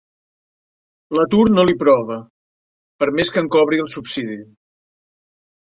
L'atur no li prova, per més que en cobri el subsidi.